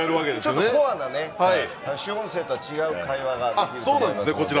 ちょっとコアなね主音声とは違う会話が聞けると思うので。